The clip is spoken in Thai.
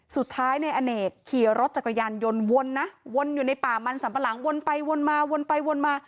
สุดท้ายนายอเนกขี่รถจักรยานยนต์วนนะวนอยู่ในป่ามันสัมปะหลังวนไปวนมาวนไปวนมา